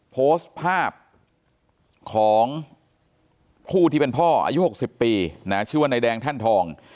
โพสต์ภาพของผู้ที่เป็นพ่ออายุ๖๐ปีชื่อว่านายแดงแท่นทอง